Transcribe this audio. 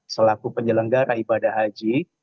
selaku penyelenggara ibadah haji